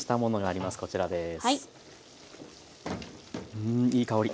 うんいい香り！